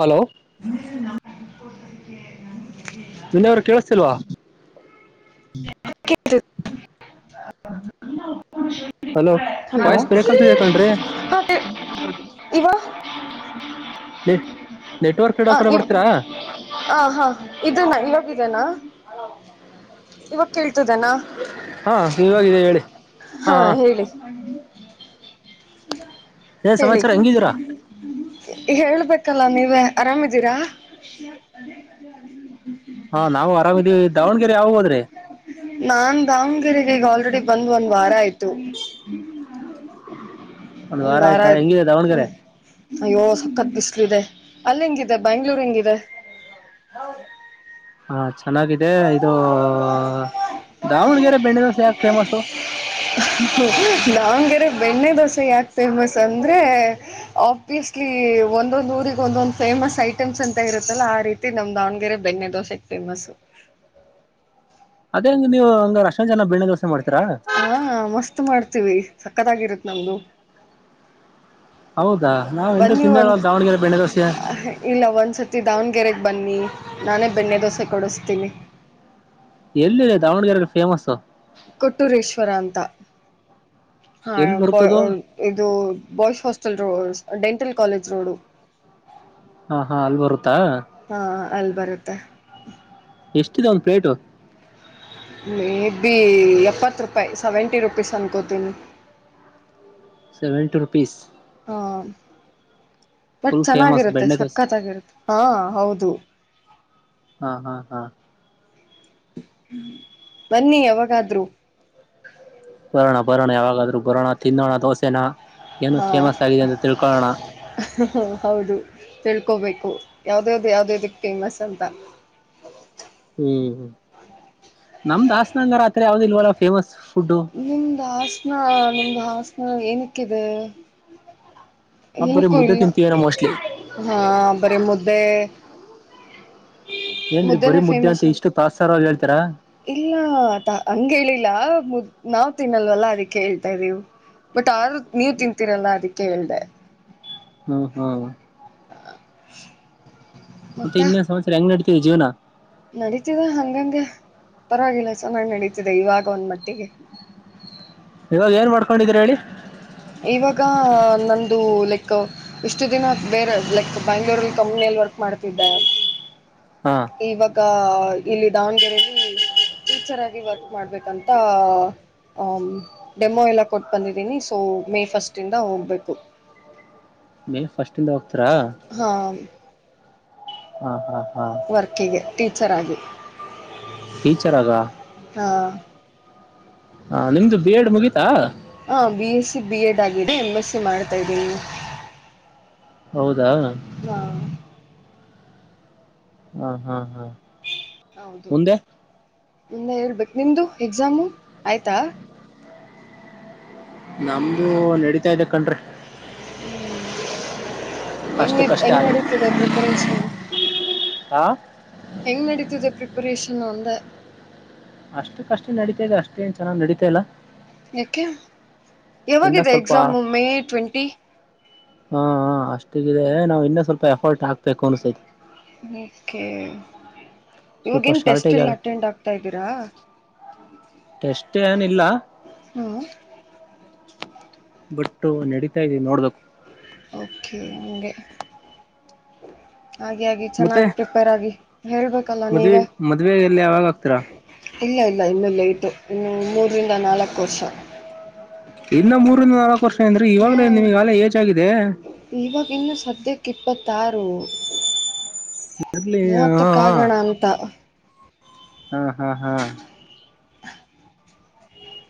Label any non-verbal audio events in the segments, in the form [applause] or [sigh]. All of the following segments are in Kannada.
Hello [inaudible] ವಿನಯವರು ಕೇಳಸ್ತಿಲ್ವಾ [inaudible] hello hello voice break ಆಗ್ತಿದೆ ಕಣ್ರಿ ಇವ [inaudible] ನೆಟ್ವರ್ಕ್ ಇಡೋ ಹ ಕಡೆ ಇದು ಬರ್ತೀರಾ ಹ ಹಾ ಇದ [unintelligible] ಹನಾ ಇವಾಗ ಕೇಳ್ತದನಾ ಹಾ ಇವಾಗಿದೆ ಹೇಳಿ ಹಾ ಹೇಳಿ ಏನ್ ಹೇಳಿ ಸಮಾಚಾರ ಹೆಂಗಿದ್ದೀರಾ ಹೇಳ್ಬೇಕಲ್ಲ ನೀವು ಆರಾಮ್ದೀರಾ ಹಾ ನಾವು ಆರಾಮಿದೀವಿ ದಾವಣಗೆರೆ ಯಾವಗ ಹೋದ್ರಿ ನಾನ್ ದಾವಣಗೆರೆಗೆ ಈಗ ಆಲ್ರೆಡಿ ಬಂದ ಒಂದ್ ವಾರ ಆಯತು ಒಂದ್ ಈ ವಾರ ಆಯ್ತಾ ಹೆಂಗಿದೆ ಹ್ಮ ದಾವಣಗೆರೆ ಅಯ್ಯೋ ಸಖತ್ ಬಿಸ್ಲಿದೆ ಅಲ್ಲಿ ಹೆಂಗಿದೆ ಬ್ಯಾಂಗ್ಳೂರ್ ಹೆಂಗಿದೆ ಹಾ ಚೆನ್ನಾಗಿದೆ ಇದು ದಾವಣಗೆರೆ ಬೆಣ್ಣೆ ದೋಸೆ ಫೇಮಸ್ ದಾವಣಗೆರೆ ಬೆಣ್ಣೆ ದೋಸೆ ಯಾಕೆ ಫೇಮಸ್ ಅಂದ್ರೆ ಆಬ್ವಿಯಸ್ಲಿ ಈ ಒಂದೊಂದು ಊರಿಗೆ ಒಂದೊಂದಂದು ಫೇಮಸ್ ಐಟಮ್ಸ್ ಅಂತ ಇರುತ್ತಲ್ಲ ಆ ರೀತಿ ನಮ್ ದಾವಣಗೆರೆ ಬೆಣ್ಣೆ ದೋಸೆೆಗೆ ಫೇಮಸ್ ಹೊಸು ಹ ಅದೇಂಗ ನೀವು ಒಂಗ ಅಶ ಜನ ಬೆದ ಹಾ ಮಸ್ತ್ ಮಾಡ್ತೀವಿ ಸಕ್ಕತ್ಗಿರುತ್ ನಮ್ದು ಹೌದಾ ನಾವು ಎಂತ ಬನ್ನಿ ತಿಂದಿರಲ್ಲ ಒಂದ ದಾವಣಗೆರೆ ಬೆಣ್ಣೆ ದೋಸೆ ಇಲ್ಲ ಒಂದ್ಸತಿ ದಾವಣಗೆರೆ ಬನ್ನಿ ನಾನೇ ಬೆಣ್ಣೆ ದೋಸೆ ಕೊಡಿಸ್ತೀನಿ ಎಲ್ಲ ದಾವಣಗೆರೆಡೆ ಫೇಮಸ್ ಕೊಟ್ಟೂರೇಶ್ವರ ಅಂತ ಹಾ ಎಲ್ಲಿ ಬರುತ್ತದು ಇದು boys hostel dental college road ಹಾ ಹಾ ಅಲ್ಲಿ ಬರುತ್ತಾ ಅಲ್ಬರುತ್ತೆ ಎಷ್ಟಿದೆ ಒಂದು ಪ್ಲೇಟು ಮೇಬ ಬಿ ಎಪ್ಪತ್ತು ರೂಪಾಯಿ ಸೆವೆಂಟಿ ರುಪೀಸ್ ಅನ್ಕೋತೀನಿ ಸೆವೆಂಟಿ ರು ಪಿಸಸ್ ಹಾ ಬಟ್ ಫುಲ್ ಫೇಮಸ್ ಚೆನ್ನಾಗಿರುತ್ತೆ ಬೆಣ್ಣೆ ದೋಸೆ ಸಕ್ಕತ್ತಾಗಿರುತ್ತೆ ಹಾ ಹೌದು ಹಾ ಹಾ ಹಾ ಬನ್ನಿ ಯಾವಾಗಾದ್ರು ಬರೋಣ ಬರೋಣ ಯಾವಾಗಾದ್ರೂ ಬರೋಣ ತಿನ್ನೋಣ ದೋಸೆನಾ ಹಾ ಹೌದು ತಿಳ್ ಕಕೋಬೇಕು ಯಾವ್ದ ಯಾವ್ದು ಯಾವ್ದೇದಕ್ ಫೇಮಸ್ ಅಂತ ಹ್ಮ್ ಹ್ಮ್ ನಮ್ದಾಸ್ನಂಗರತ್ರ ಯಾವ್ದ ಇಲ್ವಲ್ಲ ಫೇಮಸ್ ಫುಡ್ ನಿಮ್ದ ಹಾಸನ ನಿಮ್ದ ಹಾಸನ ಏನಕ್ಕಿದೆ ನಾವ್ ಬರೀ ಬಲ್ಕುಲ್ ಮುದ್ದೆ ತಿಂತೀವೇನೋ ಮೋಸ್ಟ್ಲಿ ಹಾ ಬರಿ ಮುದ್ದೆ ಏನ್ರೀ ಬರೀ ಮುದ್ದೆನೇ ಮುದ್ದೆ ಫೇಮಸ್ ಅಂತ ಇಷ್ಟು ತಾಸಸ್ತಾರ ಹೇಳ್ತಾರಾ ಇಲ್ಲ ಹಂಗ ಹೇಳಿಲ್ಲ ಮುದ್ ನಾವ್ ತಿನ್ನಲ್ವಲ್ಲ ಅದಿಕ್ಕೆ ಹೇಳ್ತಾ ಇದ್ದೀವು ಬಟ್ ಆ ನೀವ್ ತಿನ್ಂತೀರಲ್ಲ ಅದಿಕ್ಕೆ ಅದಕ್ಕೆ ಹೇಳಿದೆ ಹ್ಮ್ ಹ್ಮ್ ಹ ಮತ್ತೆ ಇನ್ನೇ ಸಂತ್ಸರ ಹೆಂಗ್ ನಡತಿದೆ ಜೀವನ ನಡೀತಿದೆ ಹಂಗಂಗೆ ಪರವಾಗಿಲ್ಲ ಚನ್ನ ನಡೀತಿದೆ ಇವಾಗ ಒಂದ್ ಮಟ್ಟಿಗೆ ಇವಾಗ ಏನ್ ಮಾಡ್ಕೊಂಡಿದೀ್ರಿ ಹೇಳಿ ಇವಾಗ ನಂದು ಲೈಕ್ ಇಷ್ಟು ದಿನ ಬೇರೆ ಲೈಕ್ ಬ್ಯಾಂಗ್ಳೂರ್ಲ್ಲಿ ಕಮ್ಮಿ ವರ್ಕ್ ಮಾಡ್ತಿದ್ದ [inaudible] ಇವಾಗ ಇಲ್ಲಿ ದಾವಣಗೆರೆಯಲ್ಲಿ ಟೀಚರ್ ಆಗಿ ವರ್ಕ್ ಮಾಡ್ಬೇಕಂತ ಹ ಡೆಮೊ ಎಲ್ಲ ಕೊಟ್ಟು ಬಂದಿದ್ದೀನಿ ಸೊ ಮೇ ಫಸ್ಟ್ ಇಂದ ಹೋಗ್ಬೇಕು ಮೇ ಫಸ್ಟಿಂದ ಹೋಗ್ತರಾ ಹಾ ಹ್ಮ ಹಾ ವರ್ಕಿಗೆ ಟೀಚರ್ ಆಗಿ ಟೀಚರ್ ಆಗ ಹಾ ಹಾ ನಿಮ್ದು ಬಿ ಎಡ್ ಮುಗೀತಾ ಹಾಂ ಬಿ ಎಸ್ಸ ಬಿ ಎಡ್ ಆಗಿದೆ ಎಂ ಎಸ್ಸ ಮಾಡ್ತಾ್ದೀಿ ಹೌದಾ ಹ್ಮ ಹ್ಮ್ ಹ್ಮ್ ಹೌದು ಮುಂದೆ ಹೇಳ್ಬೇಕು ನಿಮ್ದು ಎಕ್ಸಾಮು ಆಯ್ತಾ ನಮ್ದು ನಡೀಿತಾ ಇ್ದ ಕಣ್ರಿ ಹ್ಮ್ ಹೆಂಗ ಅಷ್ಟು ಕಷ್ಟ ಹೆಂಗ್ ಆದ್ರೂ ನಡೀತದೆ ಪ್ರಿಪರೇಷನ್ ಆ ಹೆಂಗ್ ನಡೀತಿದೆ ಪ್ರಿಪರೇಷನ್ ಅಂದ ಅಷ್ಟ ಕಷ್ಟ ನಡಿತಾ ಇದೆ ಅಷ್ಟೇ ಏನ್ ಚೆನ್ನಾಗ್ ನಡಿತಾ ಇಲ್ಲಾ ಯಾಕೆ ಇನ್ನ ಯಾವಾಗಿದೆ ಸ್ವಲ್ಪ ಹಾ ಎಕ್ಸಾಮ್ ಮೇ ಟ್ವೆಂಟಿ ಹಾ ಅಷ್ಟಗಿದೆ ನಾವ್ ಇನ್ನ ಸ್ವಲ್ಪ ಎಫರ್ಟ್ ಹಾಕ್ಬೇಕು ಅನ್ಸೈತಿ ರೆ ಸ್ವಲ್ಪ ಇವಾಗೇನ್ ಟೆಸ್ಟ್ ಶಾರ್ಟೇಜ್ ಎಲ್ಲ ಆಗ ಅಟೆಂಡ್ ಆಗ್ತಾ ಇದ್ದೀರಾ ಟೆಸ್ಟ್ ಏನಿಲ್ಲ ಹ್ಞೂ ಬಟ್ ನಡೀತಾ ಇದವಿ ನೋಡ್ದಕ್ು ಓಕೆ ಹಗೆ ಹಾಗೆ ಹಾಗೆ ಮತ್ತೆ ಚೆನ್ನಾಗಿ ಪ್ರಿಪೇರ್ ಆಗಿ ಹೇಳ್ಬೇಕಲ್ಲ ಮದ್ವೆ ನೀವೇ ಮದ್ವೆ ಎಲ್ಲಿ ಯಾವಾಗ ಆಗ್ತೀರಾ ಇಲ್ಲ ಇಲ್ಲ ಇನ್ನು ಲೇಟು ಇನ್ನು ಮೂರರಿಂದ ನಾಲ್ಕು ವರ್ಷ ಇನ್ನ ಮೂರುಂದ ನಾಲ್ಕು ವರ್ಷ ಅಂದ್ರಿ ಹ್ಞೂ ಇವಾಗ್ಲೇ ನಿಮಗಾಲ ಏಜ ಆಾಗಿದೆ ತಾರು ಇರ್ಲಿ ಹಾ ಹಾ. ಮೂವತ್ತಕ್ಕಾಗಣ ಅಂತ ಹ್ಮ್ ಹ್ಮ್ ಹ್ಮ್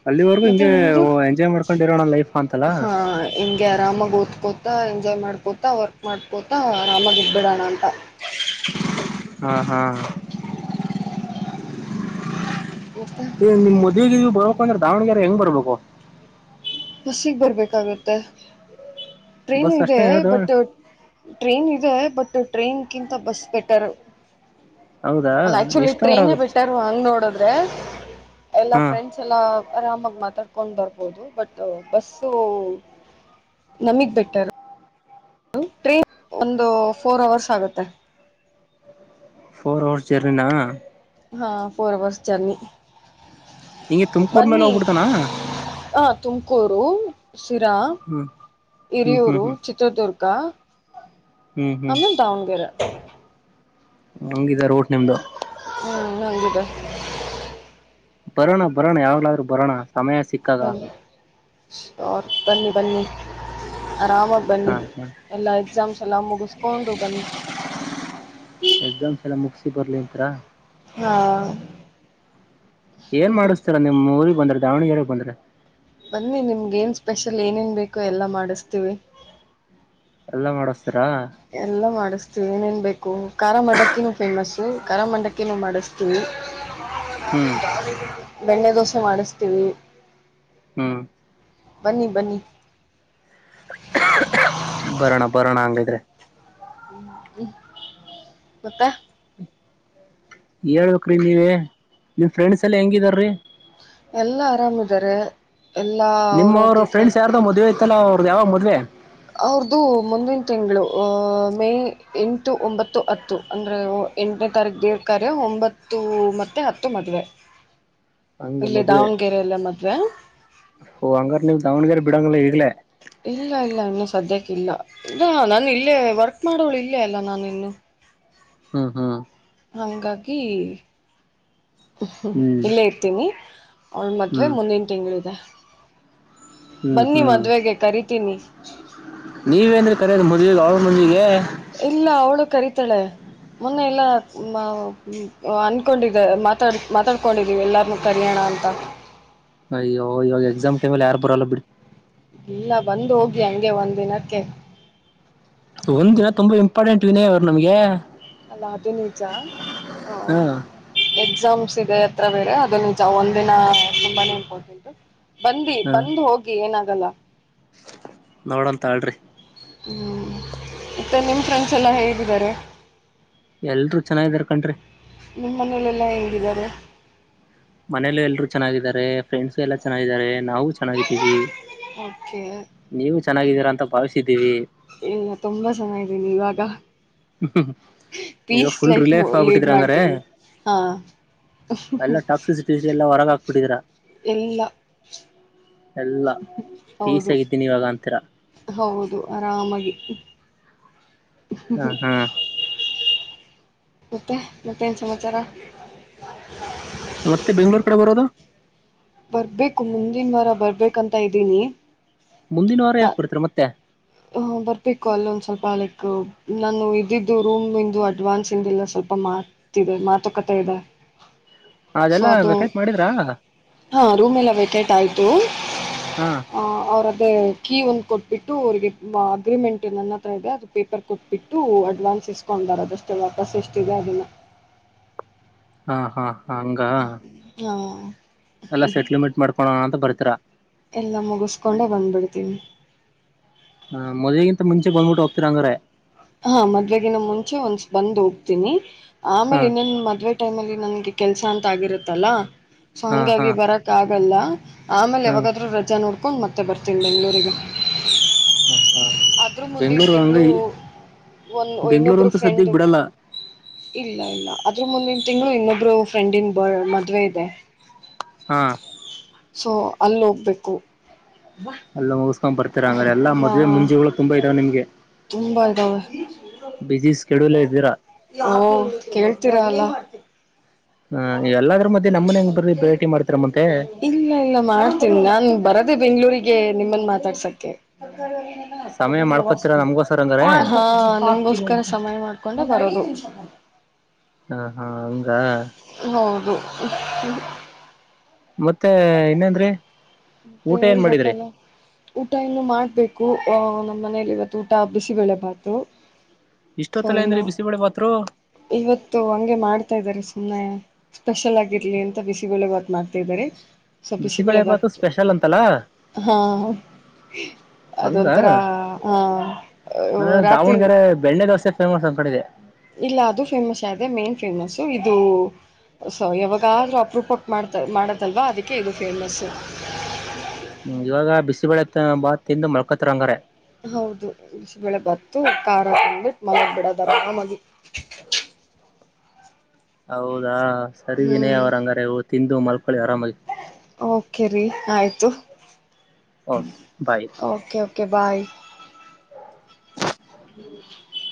ಅಲ್ಲಿವರೆಗೂ ಮತ್ತೆ ಹಿಂಗೆ ನಿಮ್ದು ಎಂಜಾಯ್ ಮಾಡ್ಕೊಂಡಿರೋಣ ಲೈಫ್ ಅಂತಲ್ಲ ಹಾ ನಿಮ್ಗೆ ಆರಾಮಾಗಿ ಓದ್ಕೋ ಾ ಎಂಜಾಯ್ ಮಾಡ್ಕೋತಾ ವರ್ಕ್ ಮಾಡ್ಕೋತಾ ಆರಾಮಾಗ ಇದಬಿಡೋಣ ಅಂತ ಹಾ ಹಾ ಮತ್ತೆ ನಿಮ್ ಮದುವೆಗೆ ಇವು ಬರಬೇಕು ಅಂದ್ರೆ ದಾವಣಗೆರೆ ಹೆಂಗ್ ಬರ್ಬೇಕು ಬಸ್ಿಗೆ ಬರ್ಬೇಕಾಗತ್ತೆ ಟ್ರೈನು ಬಸ್ ಇದೆ ಅಷ್ಟೇ ಇರೋದು ಬಟ್ ಟ್ರೈನ್ ಇದೆ ಬಟ್ ಟ್ರೈನ್ ಕಿಂತ ಬಸ್ ಬೆಟರ್ ಹೌದಾ ಅಲ್ಲ ಆಕ್ಚುಲಿ ಎಷ್ಟ್ ಅವರ್ ಟ್ರೈನೇ ಆಗುತ್ತೆ ಬಿಟ್ಟಾರ ಹಂಗ್ ನೋಡೋದು ಎಲ್ಲಾ ಹಾ ಫ್ರೆಂಡ್ಸ್ ಎಲ್ಲಾ ಆರಾಮ ಮಾತಾಡ್ಕೊಂಡ್ ಬರ್ಬೋದು ಬಟ್ ಬಸ್ಸು ನಮಗ್ ಬೆಟ್ಟರ್ ೌ ಟ್ರೈನ್ ಒಂದು ಫೋರ್ ಅವರ್ಸ್ ಆಗುತ್ತೆ ಫೋರ್ ಅವರ್ಸ್ ಜರ್ನಿನ ಹಾ ಫೋರ್ ಅವವರ್ಸ್ ಜರ್ನಿ ಹಿಂಗೆ ತುಮಕೂರ್ ಮೇಲೆ ಬನ್ನಿ ಹೋಗ್ಬಿಡ್ತಾನ ಹ ತುಮಕೂರು ಸಿರಾ ಹ್ಮ್ ಹ್ಮ್ ಹ್ಮ್ ಹಿರಿಯೂರು ಹ್ಮ್ ಚಿತ್ರದುರ್ಗ ಹ್ಮ್ ಆಮೇಲ್ ತ ಅವಣಗೆರ ಹಂಗಿದಾರ ಊಟ್ ನಿಮ್ದು ಹ ನಂಗದು ಬರೋಣ ಬರೋಣ ಯಾವ್ಲಾದ್ರೂ ಬರೋಣ ಸಮಯ ಸಿಕ್ಕಾಗ ಸರ್ ಬನ್ನಿ ಬನ್ನಿ ಆರಾಮಾಗಿ ಬನ್ನಿ ಹಾ ಹಾ ಎಲ್ಲ ಎಕ್ಸಾಮ್ಸ್ ಎಲ್ಲ ಮುಗಿಸ್ಕೊಂಡು ಬನ್ನಿ ಎಕ್ಸಾಮ್ಸ್ ಎಲ್ಲ ಮುಗಸಿ ಬರ್ಲಿಂತರ ಹಾ ಏನ್ ಹ್ಮ್ ಮಾಡಿಸಸ್ತೀರ ನಿಮ್ ಊರಿಗೆ ಬಂದ್ರ ದಾವಣಗೆರೆಗೆ ಬಂದ್ರ ಬನ್ನಿ ನಿಮ್ಗ ಏನ್ ಸ್ಪೆಷಲ್ ಏನೇನ್ ಬೇಕೋ ಎಲ್ಲಾ ಮಾಡಿಸತೀವಿ ಎಲ್ಲಾ ಮಾಡಿಸ್ತೀರಾ ಎಲ್ಲ ಮಾಡಿಸತ ಏನೇನ್ ಬೇಕು ಖಾರ ಮಂಡಕ್ಕಿನೂ ಫೇಮಸ್ ಖಾರ ಮಂಡಕ್ಕಿನೂ ಮಾಡಿಸ್ತೀವಿ ಹ್ಮ್ ಬೆಣ್ಣೆ ದೋಸೆ ಮಾಡಿಸ್ತೀವಿ ಹ್ಮ್ ಬನ್ನಿ ಬನ್ನಿ ಬರೋಣ ಬರೋಣ ಹಂಗಿದ್ರೆ ಹ್ಮ್್ಮ ಮತ್ತಾ ಹೇಳ್ಬೇಕ್ರಿ ನೀವ ನಿಮ್ ಫ್ರೆಂಡ್ಸ್ ಎಲ್ಲಾ ಹೆಂಗಿದಾರ್ರಿ ಎಲ್ಲಾ ಆರಾಮಿದಾರೆ ನಿಮ್ಮ್್ರ ಫ್ರೆಂಡ್ ಯಾರ್ದು ಮದ್ೆ ಇತ್ತಲ್ಲ ಅವ್ರದ್ದ ಯಾವಾಗ ಮದ್ವೆ ಅವ್ರ್ದು ಮುಂದಿನ ತಿಂಗಳು ಆ ಮೇ ಎಂಟು ಒಂಬತ್ತು ಹತ್ತು ಅಂದ್ರೆ ಎಂಟನೇ ತಾರೀಕ ದೇವ ಕಾರ್ಯ ಒಂಬತ್ತು ಮತ್ತೆ ಹತ್ತು ಮದುವೆ [inaudible] ಹಂಗ ಇಲ್ಲೇ ಮದುವೆ ದಾವಣಗೆರೆಯಲ್ಲೇ ಮದುವೆ ಓ ಹಂಗಾರ ನೀವು ದಾವಣಗೆರೆ ಬಿಡಾಂಗಿಲ್ಲ ಇಲ್ಲ ಇಲ್ಲ ಇನ್ನು ಸದ್ಯಕ್ಕೆ ಇಲ್ಲ ಇಲ್ಲ ನಾನು ಇಲ್ಲೇ ವರ್ಕ್ ಮಾಡೋಳು ಇಲ್ಲೇ ಅಲ್ಲ ನಾನ ಇನ್ನು ಹ್ಮ್ ಹ್ಮ್ ಹಂಗಾಗಿ ಹ್ಮ್ ಇಲ್ಲೇ ಇರ್ತೀನಿ ಅವಳ ಮದ್ವೆ ಹ್ಮ್ ಮುಂದಿನ ತಿಂಗಳಿದೆ ಹ್ಮ್ ಬನ್ನಿ ಹ್ಮ್ ಮದುವೆಗೆ ಕರಿತೀನಿ ನೀವೇಂದ್ರಿ ಕರೆಯೋದು ಅವ್ರ ಮದ್ವಿಗೆ ಇಲ್ಲ ಅವಳು ಕರೀತಾಳೆ ಮೊನ್ನೆ ಎಲ್ಲ ಅನ್ಕೊಂಡಿದ ಮಾತಾಡ್ ಮಾತಾಡ್ಕೊಂಡಿದೀವಿ ಎಲ್ಲಾರನ್ನು ಕರಿಯೋಣ ಅಂತ ಅಯ್ಯೋ ಇವಾಗ ಎಕ್ಸಾಮ್ ಟೈಮ್ಲ್ಲಿ ಯಾರು ಬರಲ್ಲ ಬಿಡಿ ಇಲ್ಲ ಬಂದು ಹೋಗಿ ಹಂಗೆ ಒಂದ್ ದಿನಕ್ಕೆ ಒಂದ್ ದಿನ ತುಂಬಾ ಇಂಪಾರ್ಟೆಂಟ್ ಈವಾಗ ನಮ್ಗೆ ಇಲ್ಲ ಅದು ನಿಜ ಹ ಎಕ್ಸಾಮ್ ಎಕ್ಸಾಮ್ಸ್ ಇದೆ ಹತ್ರ ಬೇರೆ ಅದು ನಿಜ ಒಂದಿನ ತುಂಬಾನೆ ಇಂಪಾರ್ಟೆಂಟ್ ಬಂದಿ ಹ ಬಂದ್ ಹೋಗಿ ಏನಾಗಲ್ಲ ನೋಡೋಣ ತಲ್ರಿ ಹ್ಮ್ ಮತ್ತೆ ನಿಮ್ ಫ್ರೆಂಡ್ಸ್ ಎಲ್ಲ ಹೇಗಿದ್ದಾರೆ ಎಲ್ರು ಚೆನ್ನಾಗಿದಾರೆ ಕಣ್ರೀ ನಿಮ್ಮ ಮನೆಲಿ ಎಲ್ಲಾ ಹೆೇಂಗಿದ್ದಾರೆ ಮನೇಲ್ಲ ಎಲ್ಲರು ಚೆನ್ನಾಗಿದ್ದಾರೆ ಫ್ರೆಂಡ್ಸ ಎಲ್ಲ ಚೆನ್ನಾಗಿದ್ದಾರೆ ನಾವು ಚೆನ್ನಾಗಿದ್ದೀವಿ ಓಕೆ ನೀವು ಚೆನ್ನಾಗಿದ್ದೀರ ಅಂತ ಭಾವಿಸಿದ್ದೀವಿ ಇಲ್ಲ ತುಂಬಾ ಚೆನ್ನ ಇದ್ದೀನಿ ಇವಾಗ ಹ್ಮ ಈವ peaceful life relief lead ಆಗ್ಬಿಟ್ಟಿದ್ರ ಹಂಗ್ರರೇ ಮಾಡ್ತೇವಿ ಹಾ ಎಲ್ಲ ಟಾಕ್ಸಿಸಿಟ ಎಲ್ಲ ಹೊರಗೆ ಹಾಕಿ ಎಲ್ಲಾ ಎಲ್ಲ ಪೀಸ್ ಆಗಿದ್ದೀನಿ ಇವಾಗ ಅಂತ ಹೌದು ಆರಾಮಾಗಿ ಹಾ ಹಾ ಮತ್ತೆ ಮತ್ತೆ ಏನ್ ಸಮಾಚಾರ ಮತ್ತೆ ಬೆಂಗಳೂರು ಕಡೆ ಬರೋದು ಬರ್ಬೇಕು ಮುಂದಿನ ವಾರ ಬರ್ಬೇಕಂತ ಇದ್ದೀನಿ ಮುಂದಿನ ವಾರ ಯಾಕ ಬರ್ತೀರಾ ಮತ್ತೆ ಹ ಬರ್ಬೇಕು ಅಲ್ಲೊಂದ್ ಸ್ವಲ್ಪ ಲೈಕ್ ನಾನು ಇದಿದ್ದು ರೂಮ್ ಇಂದು ಅಡ್ವಾನ್ಸ್ ಹಿಂದಿದ್ದು ಸ್ವಲ್ಪ ಸ್ವಲ್ಪ ಮಾತ್ ಮಾತು ಕಥೆ ಇದೆ ಹ [inaudible] ಸೊ ಅದು ಹ ರೂಮ್ ಎಲ್ಲ ವೇಕೆಂಟ್ ಆಯ್ತು ಹಾ ಅವ್ರದ್ದೇ ಕೀ ಒಂದು ಕೊಟ್ಬಿಟ್ಟು ಅವ್ರಿಗೆ ಅಗ್ರಿಮೆಂಟ್ ನನ್ನ ಹತ್ರ ಇದೆ ಅದು ಪೇಪರ್ ಕೊಟ್ಬಿಟ್ಟು ಅಡ್ವಾನ್ಸ್ ಇಸ್ಕೊಂದು ಬರೋದು ಅದಷ್ಟೇ ವಾಪಸ್ ಎಸ್ಟ್ ಇದೆ ಅದನ್ನ ಹಾ ಹಾ ಹಂಗ ಹಾ ಎಲ್ಲಾ ಸೆಟ್ಲ್ಮೆಂಟ್ ಮಾಡಿಕೊಳೋಣ ಅಂತ ಬರ್ತೀರಾ ಎಲ್ಲ ಮುಗಿಸಕೊಂಡು ಬಂದ್ಬಿಡ್ತೀನಿ ಹಾ ಮದುವೆಗೀನ ಮುಂಚೆ ಬಂದ್ಬಿಟ್ಟು ಹೋಗ್ತಿರಾ ಅಂಗರೇ ಹಾ ಮದ್ವೆಗ ನ ಮುಂಚೆ ಒಂದ್ ಬಂದ್ ಹೋಗ್ತೀನಿ ಹಾ ಆಮೇಲೆ ಇನ್ನೊಂದು ಮದ್ವೆ ಟೈಮ್ಲ್ ನನ್ಗೆ ಕೆಲ್ಸ ಅಂತ ಆಗಿರತ್ತಲ್ಲ ಸೊ ಹಾ ಹಾ ಹಂಗಾಗಿ ಬರಕ್ ಆಗಲ್ಲ ಆಮೇಲೆ ಹಾ ಯಾವಾಗಾದ್ರೂ ರಜೆಾ ನೋಡ್ಕೊಂಡು ಮತ್ತೆ ಬರ್ತೀನಿ ಬೆಂಗ್ಳೂರಿಗೆ ಹಾ ಹಾ ಅದರ ಮುಂದಿನ ಬೆಂಗಳೂರು ಹಂಗ ತಿಂಗಳು ಈ- ಒಂದು ಬೆಂಗಳೂರು ಇನ್ನೊಬ್ಬರು ಅಂತೂ ಸದ್ಯಕ್ಕೆ ಫ್ರೆಂಡು ಬಿಡಲ್ಲ ಇಲ್ಲ ಇಲ್ಲ ಆದದ್ರ ಮುಂದಿನ ತಿಂಗಳು ಇನ್ನೊಬ್ರು ಫ್ರೆಂಡನ್ ಬ ಮದ್ವೆ ಇದೆ ಹಾ ಸೊ ಅಲ್ಲ ಹೋಗ್ಬೇಕು ಅಲೂಸ್ ಹಾ ಹಾ ಇದಾವೆ ನಿಮ್ಗೆ ತುಂಬ ಇಧ್ವೇ ಬಿಸಿ ಸ್ಕೆಡ್ಯೂಲ್ ಇದ್ದೀರಾ ಹೂ ಕೇಳ್ತೀರ ಅಲ್ಲ ಆ, ಎಲ್ಲಾದ್ರ ಮಧ್ಯೆ ನಮ್ಮನೆ ಹೆಂಗ್ ಬರ್ರಿ ಭೇಟಿ ಮಾಡ್ತೀರಾ ಮತ್ತೆ ಇಲ್ಲ ಇಲ್ಲ ಮಾಡ್ತೇನಿ ನಾನ್ ಬರದೆ ಬೆಂಗ್ಳೂರಿಗೆ ಹಗೆ ನಿಮ್ಮನ್ ಮಾತಾಡ್ಸಕ್ಕೆ ಸಮಯ ಮಾಡ್ಕೊತೀರಾ ನಮ್ಗೋಸ್ಕರ ಹಂಗಾರೆ ಹಾ ನಮಸ್ತೆ ನಮಗೊಸಕರ ಸಮಯ ಮಾಡ್ಕೊಂಡ ಹೌದು ಹಾ ಹಾ ಹಂಗ ಹೌದು ಮತ್ತೆ ಇನ್ನೇಂದ್ರಿ ಮತ್ತೆ ಊಟ ಏನ್ ಮಾಡಿದ್ರಿ ಹೇಳ್ಬೇಕಲ್ಲ ಊಟ ಇನ್ನು ಮಾಡ್ಬೇಕು ಆಹ ನಮ್ಮ್ ಮನೇಯಲ್ಲಿ ಇವತ್ತು ಊಟ ಬಿಸಿಬಳೆ ಭಾತು ಇಷ್ಟೊತ್ತಲ ಅಂದ್ರೆ ಬಿಸಿಬಳೆ ಬಾತ್ ಇವತ್ತು ಹಂಗೆ ಮಾಡ್ತಾ ಇದಾರೆ ಸುಮ್ಮ್ನೆ ಸ್ಪೆಷಲ್ ಆಗಿರ್ಲಿ ಅಂತ ಬಿಸಿ ಬೆಳ ಬಾತ್ ಮಾಡ್ತಾರೆ ಸ್ವಲ್ಪ ಬಿಸಿಬೇಳೆ ಬೆಳೆ ಭಾತು ಬತು ಸ್ಪೆಷಲ್ ಅಂತಲ್ಲ ಹಾ ಹಂಗ ಅದೊಂಥರ ಹ ನಾನು ರಾತ್ರಿ ದಾವಣಗೆರೆ ಬೆಣ್ಣೆ ದೋಸೆ ಫೇಮಸ್ ಅಂತ ಕಡೆ ಇದೆ [unintelligible] ಇಲ್ಲ ಅದು ಫೇಮಸ್ ಅದೆ ಮೇನ್ ಫೇಮಸ್ ಇದು ಸೊ ಯಾವಾಗಾದ್ರೂ ಅಪ್ರೂಪಕ್ ಮಾಡ್ತ ಮಾಡದಲ್ವಾ ಅದಕ್ಕೆ ಇದು ಫೇಮಸ್ ಹ್ಮ್ ಇವಾಗ ಬಿಸಿಬಳೆಬಾತ್ ತಿಂದು ಮಲ್ಕೋತಿರಾಹಗೆ ಹೌದು ಬಿಸಿ ಬೇಳೆ ಬತ್ತು ಖಾರ ತಿಂದ್ಬಿಟ್ಟು ಮಲಗ್ ಬಿಡೋದಾರ ಆರಾಮಾಗಿ [inaudible] ಹೌದಾ ಸರಿ ವಿನಯ ಹ್ಮ್ ಅವರಂಗಾರೆ ತಿಂದು ಮಲ್ಕೊಳ್ಳಿ ಆರಾಮಾಗಿ ಓಕೆ ರರಿ ಆಯ್ತು ಓಕೆ ಬಾಯ್ ಓಕೆ ಓಕೆ ಬಾಯ್ [inaudible]